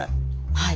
はい。